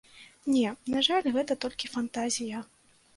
Не, на жаль, гэта толькі фантазія.